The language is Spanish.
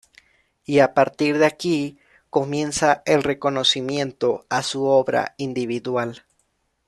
Y a partir de aquí comienza el reconocimiento a su obra individual.